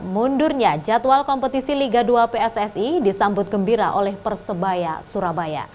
mundurnya jadwal kompetisi liga dua pssi disambut gembira oleh persebaya surabaya